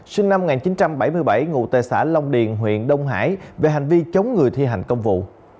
sinh năm một nghìn chín trăm bảy mươi bảy ngụ tệ xã long điền huyện đông hải về hành vi chống người thi hành công vụ